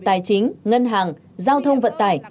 tài chính ngân hàng giao thông vận tải